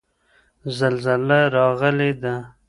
زلزله راغلې ده.